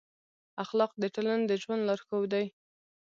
اخلاق د ټولنې د ژوند لارښود دي.